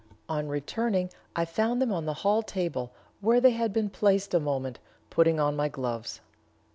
On returning I found them on the hall table, where they had been placed a moment putting on my gloves."